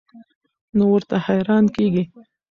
نو ورته حېران کيږي